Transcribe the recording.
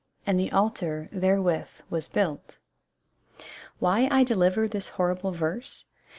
" And the altar therewith was built. Why I deliver this horrible verse